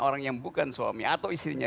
orang yang bukan suami atau istrinya